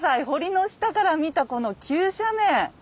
堀の下から見たこの急斜面。